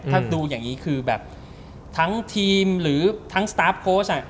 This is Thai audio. ถ้าดูอย่างนี้คือแบบทั้งทีมหรือทั้งสตาร์ฟโค้ช